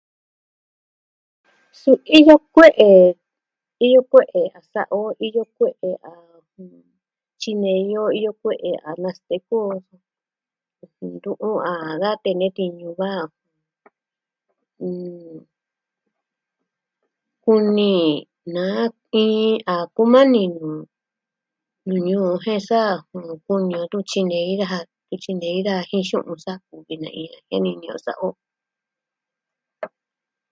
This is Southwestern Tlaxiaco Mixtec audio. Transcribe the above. Su iyo kue'e, iyo kue'e a sa'a o iyo kue'e a tyinei o ioyo kue'e a nasteku ntu o a da tee ne tiñu va' kuni na iin a kumani nuu ñuu jen saa ku ñuu tun tyinei daja. Tun tyinei daa jen xu'un sa e nai e niñɨ sa'a o.